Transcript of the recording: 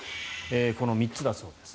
この３つだそうです。